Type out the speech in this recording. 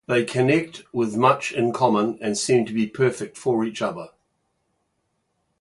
They connect with much in common and seem to be perfect for each other.